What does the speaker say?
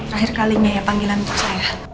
terakhir kalinya ya panggilan saya